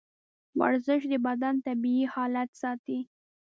ورزش د بدن طبیعي حالت ساتي.